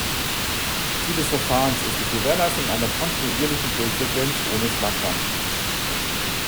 Ziel des Verfahrens ist die Gewährleistung einer kontinuierlichen Bildfrequenz ohne Flackern.